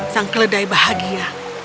sang keledai bahagia